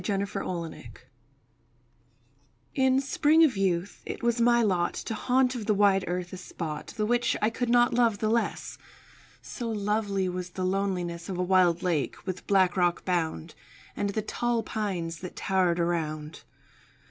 THE LAKE —— TO—— In spring of youth it was my lot To haunt of the wide earth a spot The which I could not love the less— So lovely was the loneliness Of a wild lake, with black rock bound, And the tall pines that tower'd around.